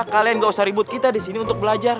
kalian gak usah ribut kita disini untuk belajar